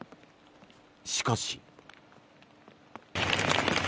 しかし。